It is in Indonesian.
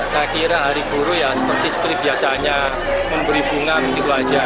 saya kira hari guru ya seperti biasanya memberi bunga begitu aja